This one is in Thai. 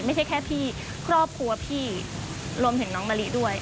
ไม่ใช่แค่พี่ครอบครัวพี่รวมถึงน้องมะลิด้วย